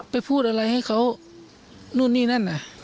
พูดอะไรให้เขานู่นนี่นั่นน่ะ